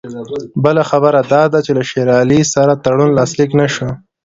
بله خبره دا ده چې له شېر علي سره تړون لاسلیک نه شو.